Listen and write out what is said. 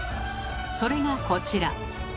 それがこちら。